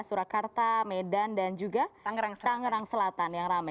surakarta medan dan juga tangerang selatan yang rame